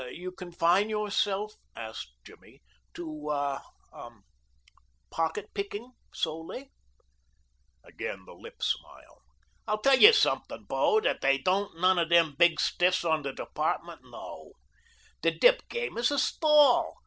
"You confine yourself," asked Jimmy, "to er ah pocket picking solely?" Again the lip smile. "I'll tell youse sumpin', bo, dat dey don't none o' dem big stiffs on de department know. De dip game is a stall.